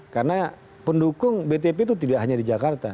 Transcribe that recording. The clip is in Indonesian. karena pendukung btp itu tidak hanya di jakarta